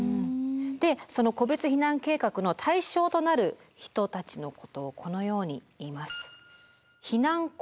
でその個別避難計画の対象となる人たちのことをこのように言います。